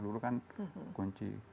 dulu kan kunci